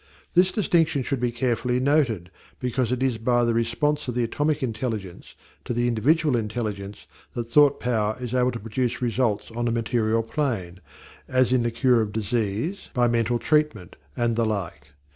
This distinction should be carefully noted because it is by the response of the atomic intelligence to the individual intelligence that thought power is able to produce results on the material plane, as in the cure of disease by mental treatment, and the like.